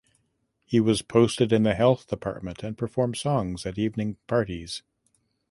He was posted in the health department and performed songs at evening parties.